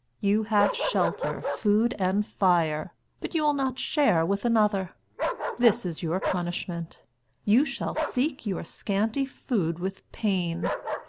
You have shelter, food, and fire, but you will not share with another. This is your punishment. You shall seek your scanty food with pain.